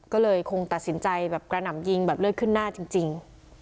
ก็เลยคงตัดสินใจแบบกระหน่ำยิงแบบเลือดขึ้นหน้าจริง